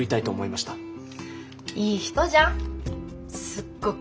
いい人じゃんすっごく。